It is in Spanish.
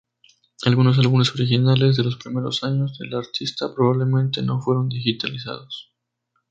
Algunos álbumes originales de los primeros años de la artista, probablemente no fueron digitalizados.